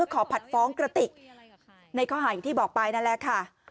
ขอผัดฟ้องกระติกในข้อหาอย่างที่บอกไปนั่นแหละค่ะ